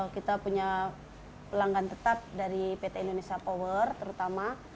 kita punya pelanggan tetap dari pt indonesia power terutama